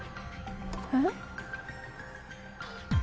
えっ？